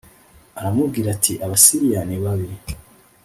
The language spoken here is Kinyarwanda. Aramubwira ati Abasiriya nibabi